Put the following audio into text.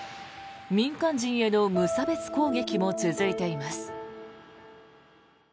民間人への無差別攻撃も続いています。